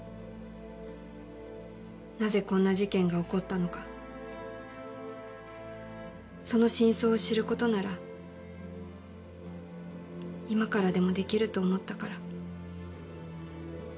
なぜこんな事件が起こったのかその真相を知る事なら今からでもできると思ったから。